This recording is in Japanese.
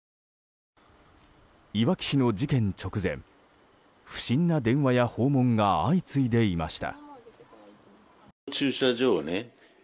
いわき市の事件直前不審な電話や訪問が相次いでいました。